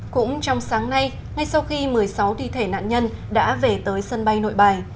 cũng trong sáng nay ngay sau khi một mươi sáu thi thể nạn nhân đã về tới sân bay nội bài